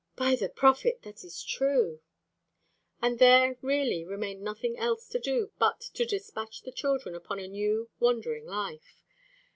"By the prophet! That is true." And there really remained nothing else to do but to despatch the children upon a new wandering life.